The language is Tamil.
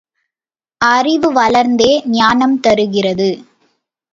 அறிவு வளர்ந்தே ஞானம் தருகிறது.